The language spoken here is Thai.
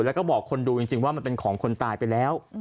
แล้วก็บอกคนดูจริงว่ามันเป็นของคนตายไปแล้ว